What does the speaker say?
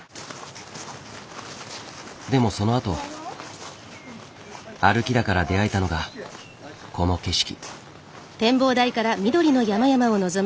でもそのあと歩きだから出会えたのがこの景色。